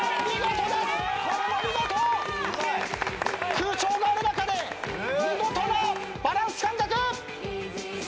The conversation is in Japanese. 空調がある中で見事なバランス感覚。